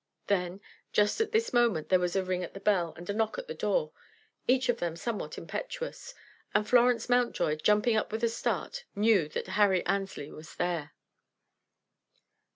Then, just at this moment there was a ring at the bell and a knock at the door, each of them somewhat impetuous, and Florence Mountjoy, jumping up with a start, knew that Harry Annesley was there.